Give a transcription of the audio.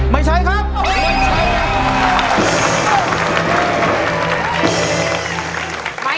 ไม่ใช้ไม่ใช้ไม่ใช้ไม่ใช้ไม่ใช้ไม่ใช้ไม่ใช้ไม่ใช้ไม่ใช้